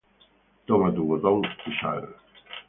Toma tu botón y sal.